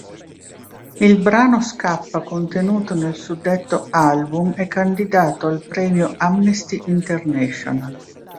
Il brano "Scappa" contenuto nel suddetto album è candidato al Premio Amnesty International.